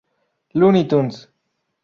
Looney Tunes.